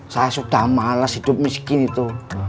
saya sudah malas hidup miskin itu